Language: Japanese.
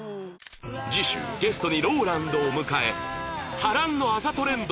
次週ゲストに ＲＯＬＡＮＤ を迎え